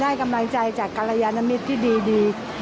กำลังใจจากกรยานมิตรที่ดี